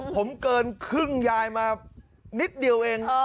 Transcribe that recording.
ผมเกินครึ่งยายมานิดเดียวเอง